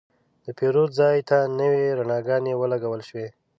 د پیرود ځای ته نوې رڼاګانې ولګول شوې.